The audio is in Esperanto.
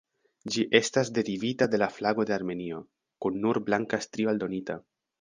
Ĝi estas derivita de la flago de Armenio, kun nur blanka strio aldonita.